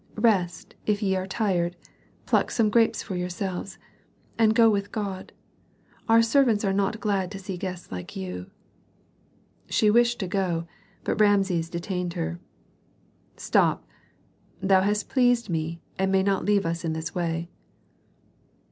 "Rest, if ye are tired, pluck some grapes for yourselves, and go with God. Our servants are not glad to see guests like you." She wished to go, but Rameses detained her. "Stop! Thou hast pleased me, and may not leave us in this way."